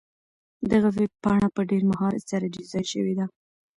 دغه ویبپاڼه په ډېر مهارت سره ډیزاین شوې ده.